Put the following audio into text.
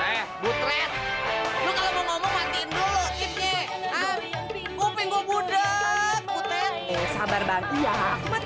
eh butret ya abang kusut kali bang